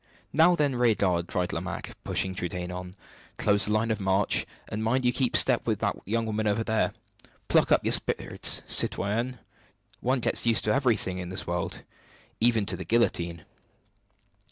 "Now, then, rear guard," cried Lomaque, pushing Trudaine on, "close the line of march, and mind you keep step with your young woman there. Pluck up your spirits, citoyenne! one gets used to everything in this world, even to the guillotine!"